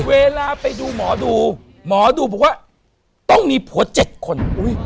เวลาไปดูหมอดูหมอดูบอกว่าต้องมีผัว๗คน